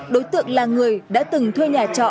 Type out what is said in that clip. đối tượng là người đã từng thuê nhà trọ